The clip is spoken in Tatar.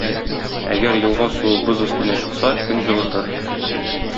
Әгәр елга суы боз өстенә чыкса, көн җылытыр.